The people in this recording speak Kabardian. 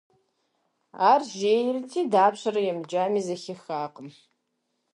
Ар жейрти, дапщэрэ емыджами зэхихакъым.